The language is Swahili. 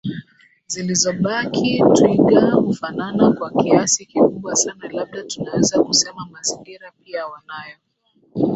zilizo baki twiga hufanana kwa kiasi kikubwa sana Labda tunaweza kusema mazingira pia wanayo